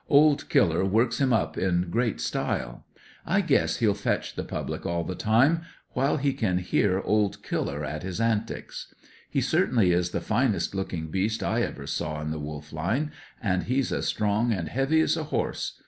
"Old Killer works him up in great style. I guess he'll fetch the public all the time, while he can hear old Killer at his antics. He certainly is the finest lookin' beast I ever saw in the wolf line, and he's as strong and heavy as a horse.